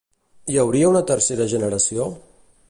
Hi hauria una tercera generació?